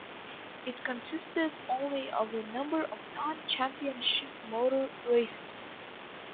It consisted only of a number of non-championship motor races.